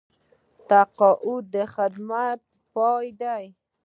تقاعد د خدمت پای دی